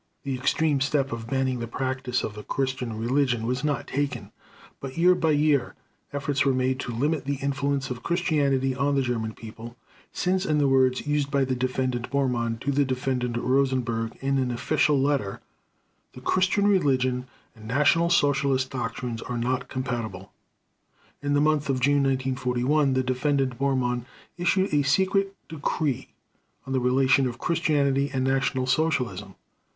The extreme step of banning the practice of the Christian religion was not taken, but year by year efforts were made to limit the influence of Christianity on the German people, since, in the words used by the Defendant Bormann to the Defendant Rosenberg in an official letter, "the Christian religion and National Socialist doctrines are not compatible." In the month of June 1941 the Defendant Bormann issued a secret decree on the relation of Christianity and National Socialism.